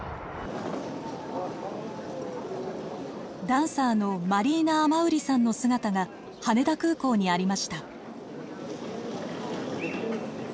ダンサーのマリーナ・アマウリさんの姿が羽田空港にありました。